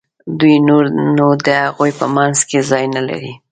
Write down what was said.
دوی نور نو د هغوی په منځ کې ځای نه لري.